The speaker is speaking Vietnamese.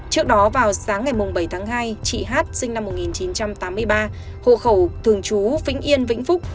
trước đó vào sáng ngày bảy tháng hai chị hát sinh năm một nghìn chín trăm tám mươi ba hộ khẩu thường trú vĩnh yên vĩnh phúc